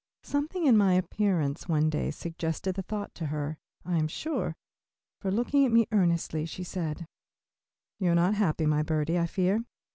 Something in my appearance one day suggested the thought to her, I am sure, for looking at me earnestly, she said: "You are not happy, my birdie, I fear.